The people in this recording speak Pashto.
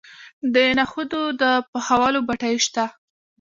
د نخودو د پخولو بټۍ شته.